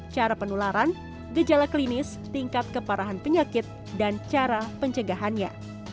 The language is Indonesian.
cara penularan gejala klinis tingkat keparahan penyakit dan cara pencegahannya